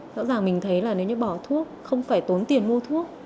rõ ràng mình thấy là nếu như bỏ thuốc không phải tốn tiền mua thuốc